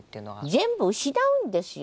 全部失うんですよ